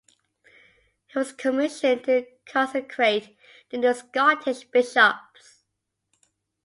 He was commissioned to consecrate the new Scottish bishops.